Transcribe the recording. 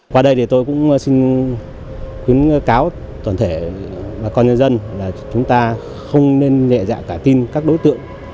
qua đây thì tôi cũng xin khuyến cáo toàn thể bà con nhân dân là chúng ta không nên nhẹ dạ cả tin các đối tượng